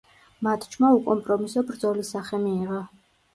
მატჩმა უკომპრომისო ბრძოლის სახე მიიღო.